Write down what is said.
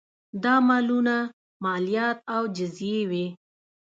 دا مالونه مالیات او جزیې وې